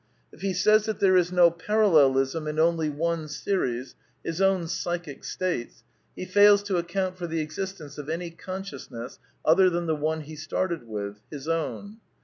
If he says that there is no parallelism and only one series, his own psychic states, he fails to ac count for the existence of any consciousness other than the one he started with — his own.